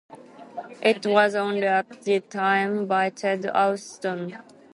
It was owned at the time by Ted Auston.